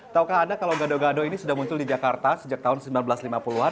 taukah anda kalau gado gado ini sudah muncul di jakarta sejak tahun seribu sembilan ratus lima puluh an